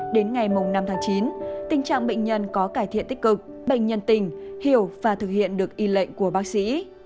đến ngày năm tháng chín tình trạng bệnh nhân có cải thiện tích cực bệnh nhân tình hiểu và thực hiện được y lệnh của bác sĩ